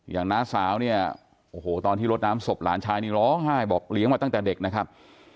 น้าสาวเนี่ยโอ้โหตอนที่ลดน้ำศพหลานชายนี่ร้องไห้บอกเลี้ยงมาตั้งแต่เด็กนะครับ